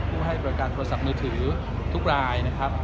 ผู้ให้บริการโทรศัพท์มือถือทุกรายนะครับ